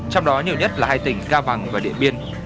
trong đó nhiều nhất là hai tỉnh ga vàng và điện biên